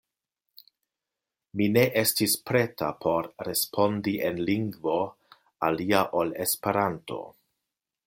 Mi ne estis preta por respondi en lingvo alia ol Esperanto.